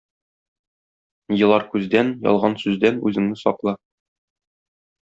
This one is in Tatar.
Елар күздән, ялган сүздән үзеңне сакла.